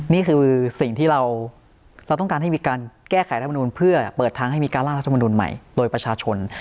นี่คือสิ่งที่เราต้องการให้มีการแก้ไขรัฐมนุนเพื่อเปิดทางให้มีการล่างรัฐมนุนใหม่โดยประชาชน